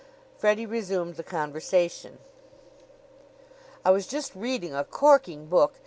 Freddie resumed the conversation. "I was just reading a corking book.